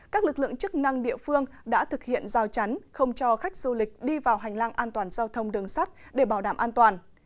các lực lượng chức năng địa phương đã thực hiện giao chắn không cho khách du lịch đi vào hành lang an toàn giao thông đường sắt để bảo đảm an toàn